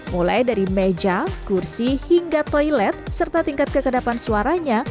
mulai dari meja kursi hingga toilet serta tingkat kekedapan suaranya